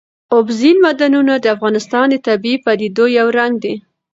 اوبزین معدنونه د افغانستان د طبیعي پدیدو یو رنګ دی.